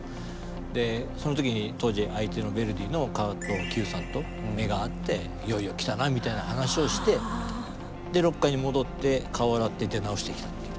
でその時に当時相手のヴェルディの加藤久さんと目が合って「いよいよ来たな」みたいな話をしてでロッカーに戻って顔洗って出直してきたっていう。